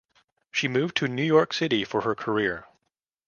She moved to New York City for her career.